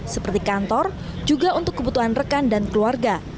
seperti kantor juga untuk kebutuhan rekan dan keluarga